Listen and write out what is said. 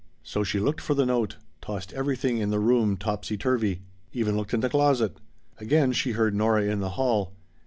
So she looked for the note tossed everything in the room topsy turvey. Even looked in the closet. Again she heard Nora in the hall.